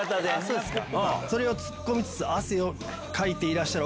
そうっすか。